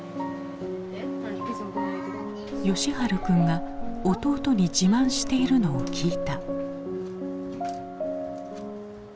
喜春君が弟に自慢しているのを聞いた。